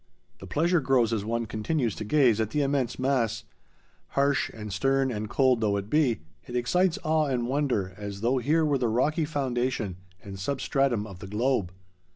The pleasure grows as one continues to gaze at the immense mass; harsh and stern and cold though it be, it excites awe and wonder as though here were the rocky foundation and substratum of the globe.